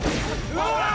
うわ！